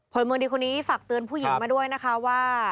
พลเมืองดีคนนี้ฝากเตือนผู้หญิงมาด้วยนะคะว่า